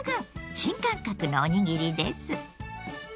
新感覚のおにぎりです。